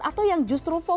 atau yang justru fomo banget